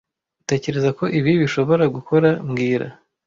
Utekereza ko ibi bishobora gukora mbwira